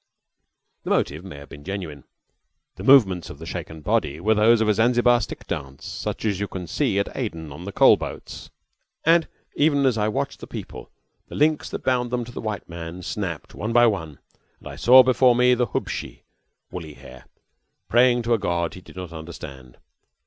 The motive may have been genuine. The movements of the shaken body were those of a Zanzibar stick dance, such as you see at Aden on the coal boats, and even as I watched the people, the links that bound them to the white man snapped one by one, and I saw before me the hubshi (woolly hair) praying to a God he did not understand.